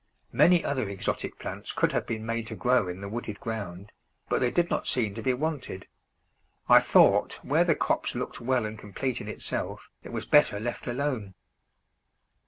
Many other exotic plants could have been made to grow in the wooded ground, but they did not seem to be wanted; I thought where the copse looked well and complete in itself it was better left alone.